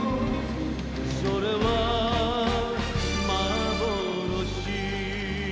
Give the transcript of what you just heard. それはまぼろし」